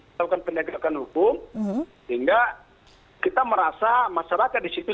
melakukan penegakan hukum sehingga kita merasa masyarakat di situ